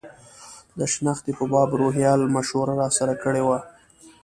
د شنختې په باب روهیال مشوره راسره کړې وه.